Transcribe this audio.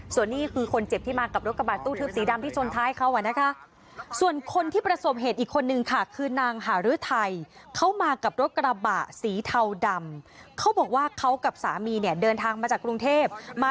ส่วนนี้คือคนเจ็บที่มากับรถกระบาดตู้ทืบสีดำที่ชนท้ายเขานะคะ